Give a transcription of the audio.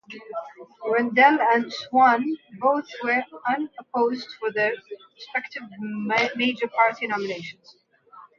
Rendell and Swann both were unopposed for their respective major party nominations.